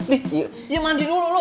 nih ya mandi dulu lo